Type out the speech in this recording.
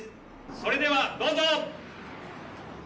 それではどうぞ。